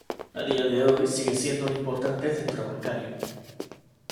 A día de hoy sigue siendo un importante centro bancario.